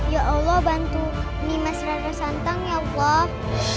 ya allah bantu nimas rarasantang ya allah